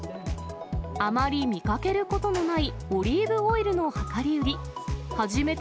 あまり見かけることのないオリーブオイルの量り売り。